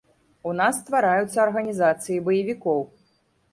У нас ствараюцца арганізацыі баевікоў.